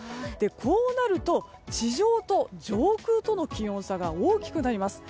こうなると地上と上空との気温差が大きくなります。